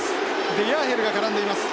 デヤーヘルが絡んでいます。